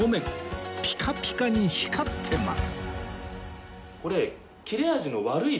ピカピカに光ってます